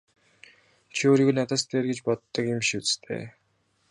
Чи өөрийгөө надаас дээр гэж боддог юм биш биз дээ!